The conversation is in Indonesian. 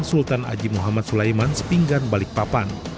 sultan haji muhammad sulaiman sepinggan balikpapan